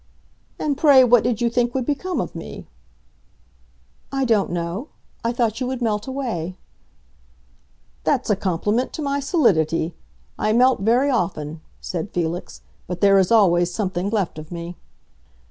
"And pray what did you think would become of me?" "I don't know. I thought you would melt away." "That's a compliment to my solidity! I melt very often," said Felix, "but there is always something left of me."